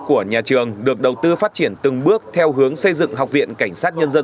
của nhà trường được đầu tư phát triển từng bước theo hướng xây dựng học viện cảnh sát nhân dân